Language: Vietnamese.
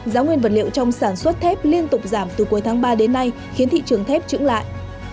giá nguyên vật liệu trong sản xuất thép liên tục giảm từ cuối tháng ba đến nay khiến thị trường thép trứng lại